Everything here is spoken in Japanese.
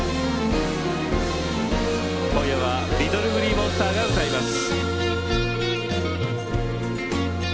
今夜はＬｉｔｔｌｅＧｌｅｅＭｏｎｓｔｅｒが歌います。